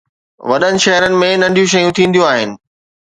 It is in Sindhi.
وڏن شهرن ۾ ننڍيون شيون ٿينديون آهن